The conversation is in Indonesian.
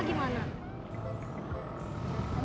tadi katanya gak lama